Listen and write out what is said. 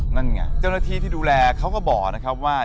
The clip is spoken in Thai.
นั่นไงเจ้าหน้าที่ที่ดูแลเขาก็บอกนะครับว่า